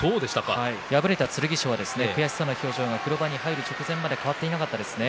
敗れた剣翔は悔しそうな表情が風呂場に入る直前まで変わっていなかったですね。